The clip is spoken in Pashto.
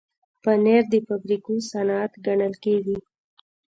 پنېر د فابریکو صنعت ګڼل کېږي.